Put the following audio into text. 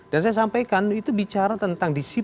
dan saya sampaikan itu bicara tentang